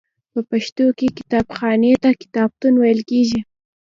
په پښتو کې کتابخانې ته کتابتون ویل کیږی.